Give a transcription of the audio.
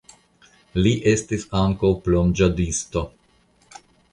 Li estis ankaŭ plonĝadisto.